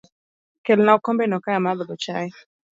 Kelna okombe no kae amadh go chai